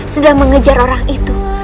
sedang mengejar orang itu